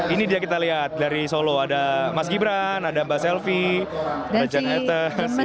ini dia kita lihat dari solo ada mas gibran ada mbak selvi ada jan etes